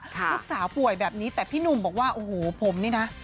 ลูกสาวป่วยแบบนี้แต่พี่หนุ่มบอกว่าโอ้โหผมนี่นะ